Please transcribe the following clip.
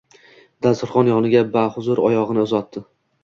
dasturxon yoniga bahuzur oyogʼini uzatdi.